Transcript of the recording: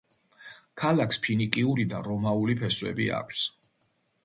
ქალაქს ფინიკიური და რომაული ფესვები აქვს.